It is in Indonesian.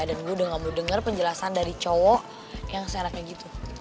dan gue udah gak mau denger penjelasan dari cowok yang senang kayak gitu